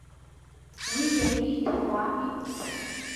Уи иара ииҭаху ами.